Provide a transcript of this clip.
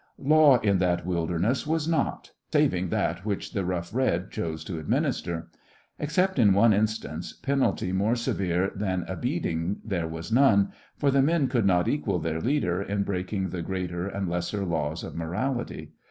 Law in that wilderness was not, saving that which the Rough Red chose to administer. Except in one instance, penalty more severe than a beating there was none, for the men could not equal their leader in breaking the greater and lesser laws of morality.